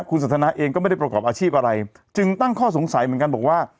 คุณสันทนาเองก็ไม่ได้ประกอบอาชีพอะไรจึงตั้งข้อสงสัยเหมือนกันบอกว่า